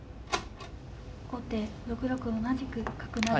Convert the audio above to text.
後手６六同じく角成。